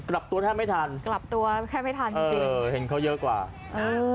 กลับตัวแทบไม่ทันกลับตัวแทบไม่ทันจริงจริงเออเห็นเขาเยอะกว่าเออ